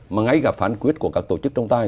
mà ngay cả phán quyết của các tổ chức trong tài